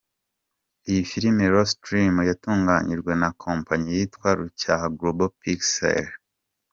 Iyi film ‘Lost Dream’ yatunganyijwe na kompanyi yitwa Rucyaha Global Pixels .